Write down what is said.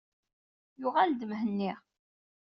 Yuɣal-d Mhenni.